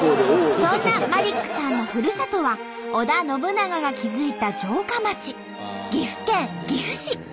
そんなマリックさんのふるさとは織田信長が築いた城下町岐阜県岐阜市。